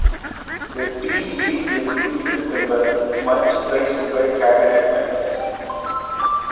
The tree yields a beautiful timber much prized by cabinet-makers.